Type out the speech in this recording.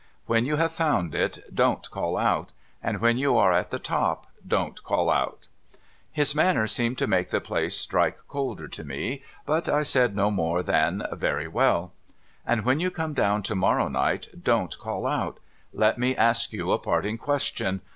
'When you have found it, don't call out ! And when you are at the top, don't call out !' His manner seemed to make the place strike colder to me, but I said no more than, ' Very Avell.' ' And when you come down to morrow night, don't call out ! Let me ask you a parting question.